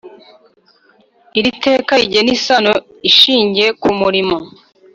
Iri teka rigena isano ishingiye ku murimo